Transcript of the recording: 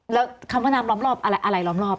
แล้วคำว่าน้ำล้อมรอบอะไรอะไรล้อมรอบ